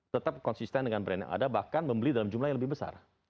tetap konsisten dengan brand yang ada bahkan membeli dalam jumlah yang lebih besar